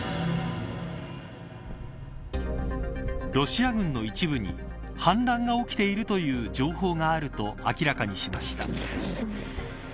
ロシア軍の一部に反乱が起きているという情報があると明らかにしました。